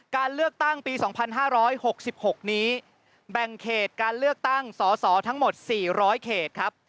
การเลือกตั้งปี๒๕๖๖นี้แบ่งเขตการเลือกตั้งสสทั้งหมด๔๐๐เขตครับ